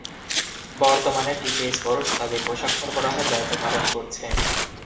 বর্তমানে TK sport তাদের পোশাক সরবরাহের দায়িত্ব পালন করছে।